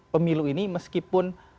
pemilu ini meskipun